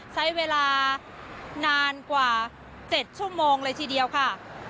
ใช้เวลานานกว่า๗ชั่วโมงเลยทีเดียวค่ะ